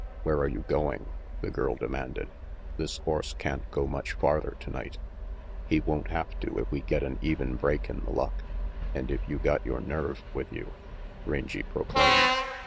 "Where are you going?" the girl demanded. "This horse can't go much farther tonight." "He won't have to if we get an even break in the luck, and if you got your nerve with you," Rangy proclaimed.